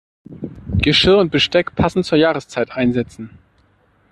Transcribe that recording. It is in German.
Geschirr und Besteck passend zur Jahreszeit einsetzen.